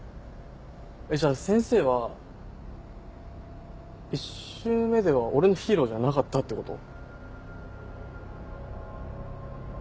えっじゃあ先生は１周目では俺のヒーローじゃなかったってこと？